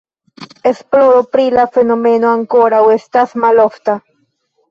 Esploro pri la fenomeno ankoraŭ estas malofta.